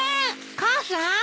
母さん！